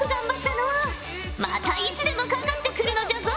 またいつでもかかって来るのじゃぞ！